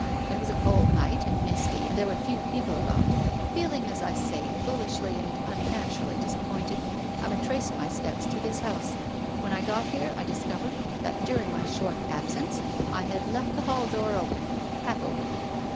It was a cold night and misty, and there were few people about. Feeling, as I say, foolishly and unnaturally disappointed, I retraced my steps to this house. When I got here I discovered that during my short absence I had left the hall door open — half open."